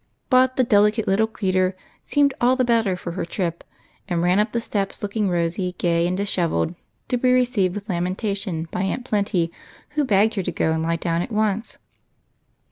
" But the "delicate little creter" seemed all the better for her trip, and ran up the steps looking rosy, gay, and dishevelled, to be received with lamentation by Aunt Plenty, who begged her to go and lie down at once.